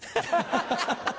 ハハハ！